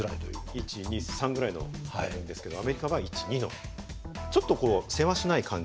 １２３ぐらいのタイミングですけどアメリカは１２のちょっとせわしない感じ。